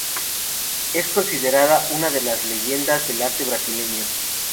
Es considerada una de las leyendas del arte brasileño.